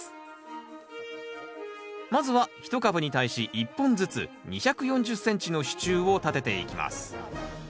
まずは１株に対し１本ずつ２４０ｃｍの支柱を立てていきます。